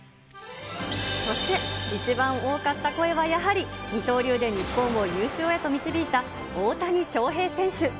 そして、一番多かった声はやはり、二刀流で日本を優勝へと導いた大谷翔平選手。